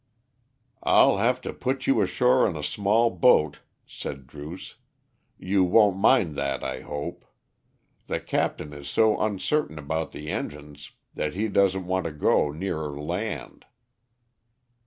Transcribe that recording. "I'll have to put you ashore in a small boat," said Druce: "you won't mind that, I hope. The captain is so uncertain about the engines that he doesn't want to go nearer land."